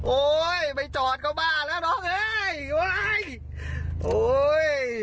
โอ้ยไปจอดก็บ้าแล้วน้องเฮ้ย